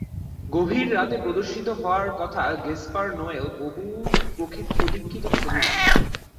গভীর রাতে প্রদর্শিত হওয়ার কথা গেসপার নোয়ের বহুল প্রতীক্ষিত ছবি লাভ।